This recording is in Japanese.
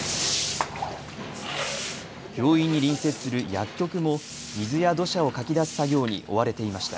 病院に隣接する薬局も水や土砂をかき出す作業に追われていました。